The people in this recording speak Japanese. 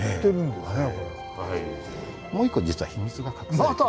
もう一個実は秘密が隠されて。